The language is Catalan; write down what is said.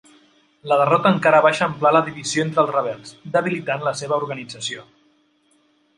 La derrota encara va eixamplar la divisió entre els rebels, debilitant la seva organització.